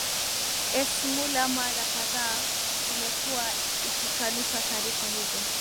esimulaa mara kadhaa imekuwa ikikanusha taarifa hizo